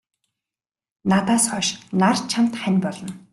Надаас хойш нар чамд хань болно.